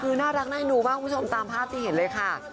คือน่ารักน่าดูมากคุณผู้ชมตามภาพที่เห็นเลยค่ะ